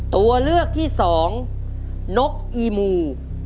ตัวเลือกที่สองนกอีมู